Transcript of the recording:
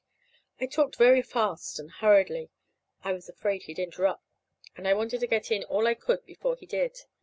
I talked very fast and hurriedly. I was afraid he'd interrupt, and I wanted to get in all I could before he did.